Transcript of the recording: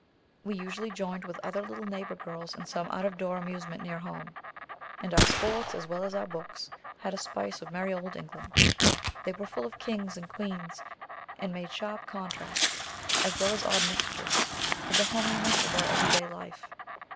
We usually joined with other little neighbor girls in some out of door amusement near home. And our sports, as well as our books, had a spice of Merry Old England. They were full of kings and queens, and made sharp contrasts, as well as odd mixtures, with the homeliness of our everyday life.